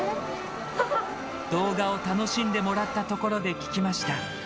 動画を楽しんでもらったところで聞きました。